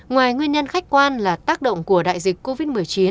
ngoài nguyên nhân khách quan là tác động của đại dịch covid một mươi chín